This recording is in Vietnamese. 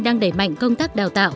đang đẩy mạnh công tác đào tạo